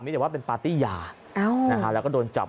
แต่ว่าเป็นปาร์ตี้ยาแล้วก็โดนจับ